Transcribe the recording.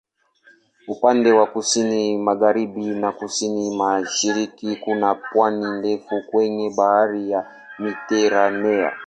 Upande wa kusini-magharibi na kusini-mashariki kuna pwani ndefu kwenye Bahari ya Mediteranea.